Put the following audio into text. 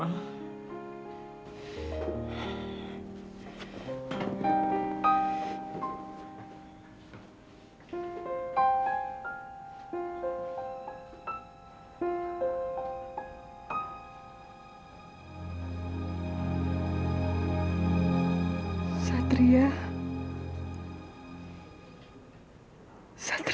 kan ini alam keselidikan